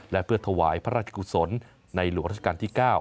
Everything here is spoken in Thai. และเพื่อถวายพระราชกุศลในหลวงราชการที่๙